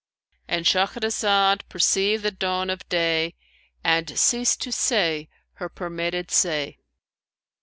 '"—And Shahrazad perceived the dawn of day and ceased to say her permitted say.